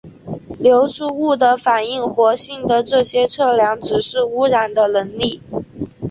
流出物的反应活性的这些测量指示污染的能力。